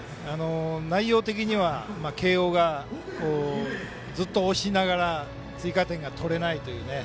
内容的には慶応がずっと押しながら追加点が取れないというね。